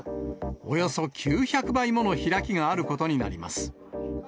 およそ９００倍もの開きがあることになります。